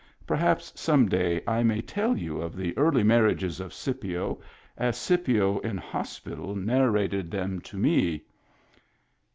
Perhaps some day I may tell you of the early marriages of Scipio as Scipio in hospital narrated them to me.